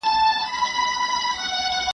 ستیوري به تسخیر کړمه راکړي خدای وزري دي,